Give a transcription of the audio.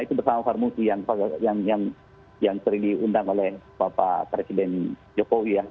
itu bersama farmuti yang sering diundang oleh bapak presiden jokowi ya